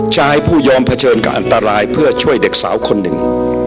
ชายผู้ยอมเผชิญกับอันตรายเพื่อช่วยเด็กสาวคนหนึ่ง